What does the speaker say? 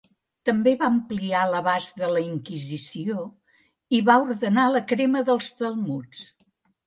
També va ampliar l'abast de la Inquisició i va ordenar la crema dels Talmuds.